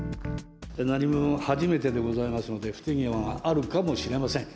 何分初めてでございますので、不手際があるかもしれません。